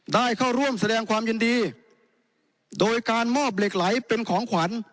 ได้เข้าร่วมแสดงความยินดีโดยการมอบเหล็กไหลเป็นของขวัญ